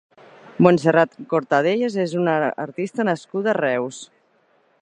Montserrat Cortadellas és una artista nascuda a Reus.